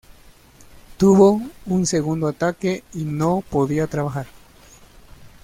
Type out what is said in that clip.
Tuvo un segundo ataque, y no podía trabajar.